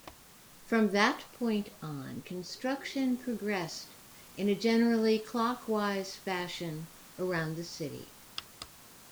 From that point on, construction progressed in a generally clockwise fashion around the city.